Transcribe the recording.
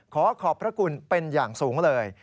ขอขอบพระคุณเป็นอย่างสูงเลย